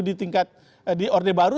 di tingkat di orde baru